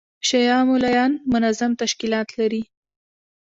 شیعه مُلایان منظم تشکیلات لري.